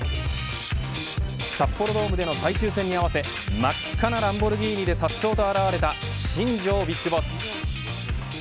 札幌ドームでの最終戦に合わせ真っ赤なランボルギーニで颯爽と現れた新庄ＢＩＧＢＯＳＳ。